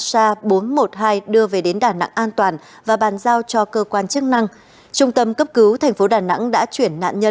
sa bốn trăm một mươi hai đưa về đến đà nẵng an toàn và bàn giao cho cơ quan chức năng trung tâm cấp cứu thành phố đà nẵng